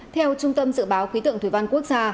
theo trung tâm dự báo khí tượng thủy văn quốc gia